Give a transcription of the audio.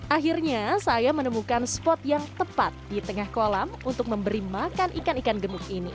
akhirnya saya menemukan spot yang tepat di tengah kolam untuk memberi makan ikan ikan gemuk ini